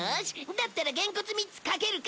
だったらげんこつ３つ賭けるか？